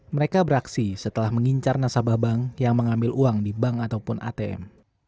mereka beraksi setelah mengincar nasabah bank yang mengambil uang di bank ataupun atm